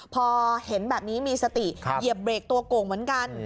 พอเห็นแบบนี้มีสติเหยียบเบรกตัวโก่งเหมือนกัน